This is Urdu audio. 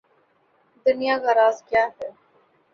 دنیا کا راز کیا ہے؟